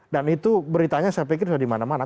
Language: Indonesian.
dan itu beritanya saya pikir sudah di mana mana